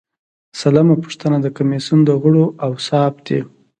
سلمه پوښتنه د کمیسیون د غړو اوصاف دي.